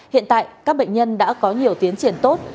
hiện tại các bệnh nhân đã có nhiều tiến triển tốt